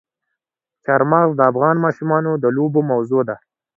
چار مغز د افغان ماشومانو د لوبو موضوع ده.